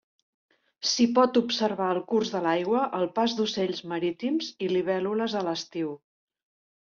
S'hi pot observar el curs de l'aigua, el pas d'ocells marítims, i libèl·lules a l'estiu.